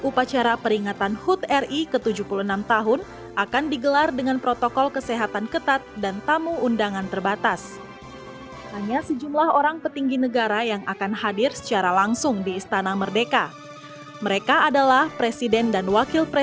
upacara peringatan hari ulang tahun republik indonesia ke tujuh puluh enam